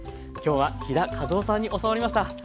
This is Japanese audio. きょうは飛田和緒さんに教わりました。